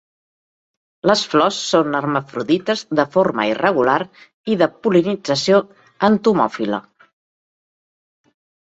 Les flors són hermafrodites de forma irregular i de pol·linització entomòfila.